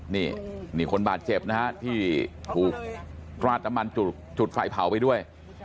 นี่คนบาดเจ็บนะครับที่กล้าดน้ำมันจุดไฟเผาไปด้วย